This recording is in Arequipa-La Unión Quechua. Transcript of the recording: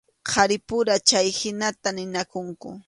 Qharipura chayhinata ninakunku.